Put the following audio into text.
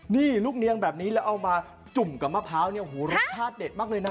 นี่ลูกเนียงแบบนี้แล้วเอามาจุ่มกับมะพร้าวเนี่ยโอ้โหรสชาติเด็ดมากเลยนะ